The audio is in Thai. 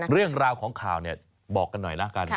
เรื่องราวของข่าวเนี่ยบอกกันหน่อยละกัน